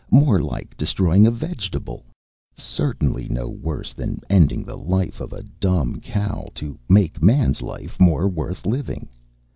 More like destroying a vegetable certainly no worse than ending the life of a dumb cow to make man's life more worth living.